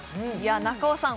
中尾さん